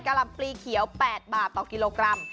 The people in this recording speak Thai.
ลำปลีเขียว๘บาทต่อกิโลกรัม